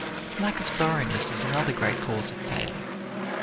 Lack of thoroughness is another great cause of failure.